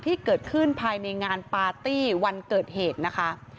ที่เกิดขึ้นภายในงานปาร์ตี้วันเกิดเหตุนะค่ะ